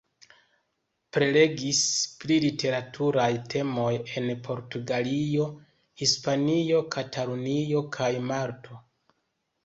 Prelegis pri literaturaj temoj en Portugalio, Hispanio, Katalunio kaj Malto.